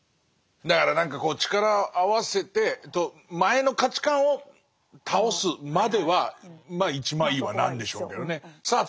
だから何か力を合わせて前の価値観を倒すまでは一枚岩なんでしょうけどねさあ